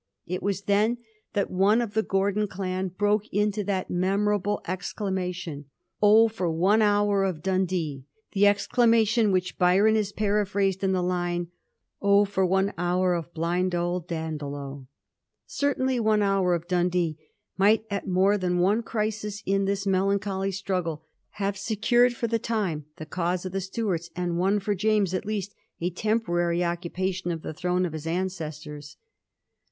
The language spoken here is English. It was then that one of the Gordon clan broke into that memor able exclamation, ^Oh for one hour of Dundee!' — ^the exclamation which Byron has paraphrased in the line : Oh for one hour of blind old Dandolo ! Certainly one hour of Dundee might at more than one crisis in this melancholy struggle have secured for the time the cause of the Stuarts, and won for James at least a temporary occupation of the throne of his ancestors.